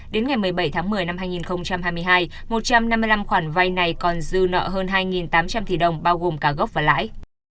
đến ngày một mươi bảy tháng một mươi năm hai nghìn hai mươi hai một trăm năm mươi năm khoản vay này còn dư nợ hơn hai tám trăm linh tỷ đồng bao gồm cả gốc và lãi